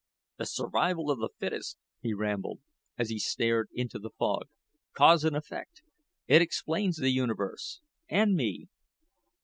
"The survival of the fittest," he rambled, as he stared into the fog; "cause and effect. It explains the Universe and me."